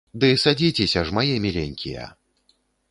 Ды садзіцеся ж, мае міленькія!